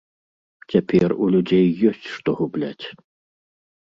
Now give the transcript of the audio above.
Цяпер у людзей ёсць, што губляць.